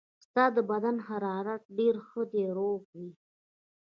ستا د بدن حرارت ډېر ښه دی، روغ یې.